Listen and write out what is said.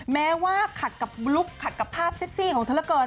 แม้ว่าขัดกับลุคขัดกับภาพเซ็กซี่ของเธอเหลือเกิน